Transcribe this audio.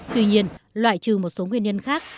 tuy nhiên loại trừ một số nguyên nhân khác